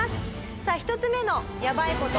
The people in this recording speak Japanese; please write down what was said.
さあ１つ目のやばい事。